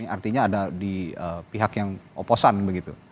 artinya ada di pihak yang oposan begitu